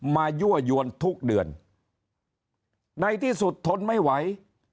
ยั่วยวนทุกเดือนในที่สุดทนไม่ไหว